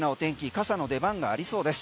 傘の出番がありそうです。